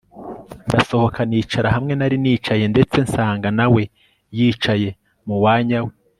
ndasohoka nicara hamwe nari nicaye ndetse nsanga nawe yicaye muwanya we